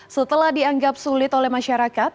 setelah dianggap sulit oleh masyarakat